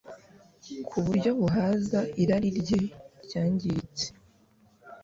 ku buryo buhaza irari rye ryangiritse